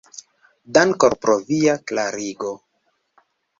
Dankon pro via klarigo!